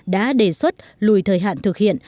đã đề xuất lùi thời hạn thực hiện